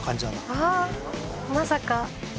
あっまさか。